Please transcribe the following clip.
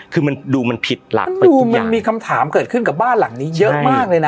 คือมันดูมันผิดหลักไปทุกอย่างมีคำถามเกิดขึ้นกับบ้านหลังนี้เยอะมากเลยนะ